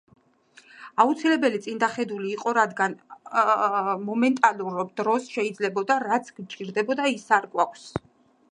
აუცილებელი წინდახედული იყო რადგან მომენტარულ დროს შეიძლება რაც გჭირდება ის არ გვაქვს